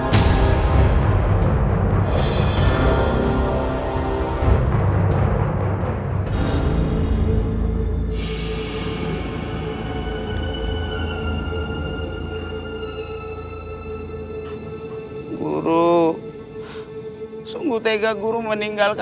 aku akan ber ubah diriku